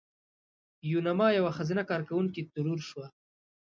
یوناما یوه ښځینه کارکوونکې ترور شوه.